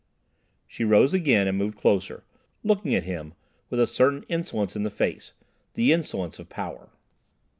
She rose again and moved closer, looking at him with a certain insolence in the face—the insolence of power.